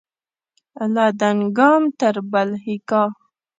له دانګام تر بلهیکا